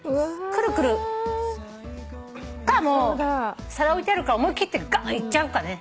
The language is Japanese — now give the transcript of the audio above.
くるくるかもう皿置いてあるから思い切ってガーンいっちゃうかね。